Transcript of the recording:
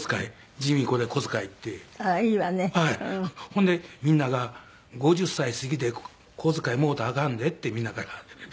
ほんでみんなが「５０歳過ぎて小遣いもろたらあかんで」ってみんなから。